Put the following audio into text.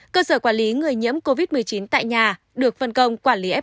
cơ sở quản lý người nhiễm covid một mươi chín tại nhà được phân công quản lý f một